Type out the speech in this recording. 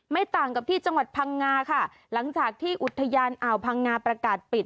ต่างกับที่จังหวัดพังงาค่ะหลังจากที่อุทยานอ่าวพังงาประกาศปิด